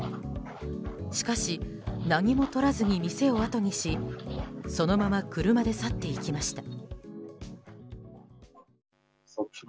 しかし何も取らずに店をあとにしそのまま車で去っていきました。